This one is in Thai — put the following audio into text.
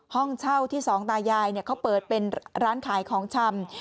ห้องเช่าที่สองตายายเขาเปิดเป็นร้านขายของชำ